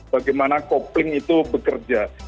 bagaimana kopling itu bekerja